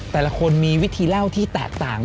แต่ละคนมีวิธีเล่าที่แตกต่าง